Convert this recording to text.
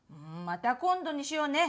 また今度にしようね！